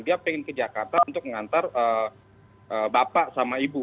dia pengen ke jakarta untuk mengantar bapak sama ibu